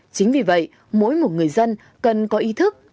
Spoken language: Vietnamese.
chính vì vậy mỗi một người dân cần có ý thức